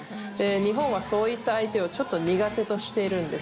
日本はそういった相手をちょっと苦手としているんです。